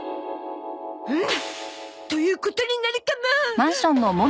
フンッ！ということになるかも！